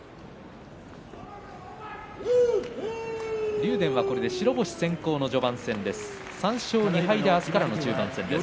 竜電はこれで白星先行の序盤戦です。